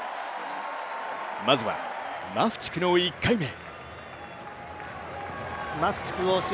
まずはマフチクの１回目。